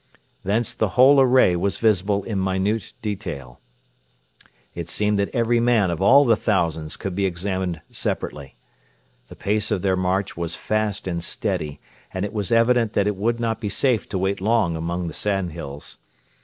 Thence the whole array was visible in minute detail. It seemed that every single man of all the thousands could be examined separately. The pace of their march was fast and steady, and it was evident that it would not be safe to wait long among the sandhills.